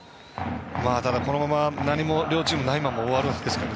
このまま何も両チームないまま終わるんですかね。